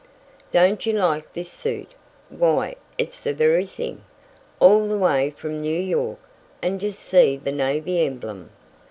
"Don't you like this suit? Why it's the very thing all the way from New York. And just see the navy emblem."